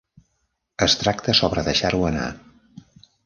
Es tracta sobre deixar-ho anar.